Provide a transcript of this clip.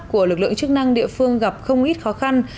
của lực lượng chức năng địa phương gặp không ít khó khăn